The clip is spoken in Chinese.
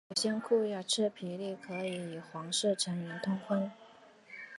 有些库瓦赫皮利可以与皇室成员通婚。